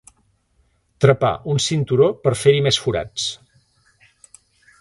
Trepar un cinturó per fer-hi més forats.